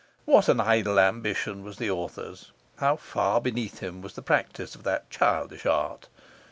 What an idle ambition was the author's! How far beneath him was the practice of that childish art!